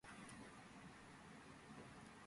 დაიბადა პოლიტიკოსის ოჯახში.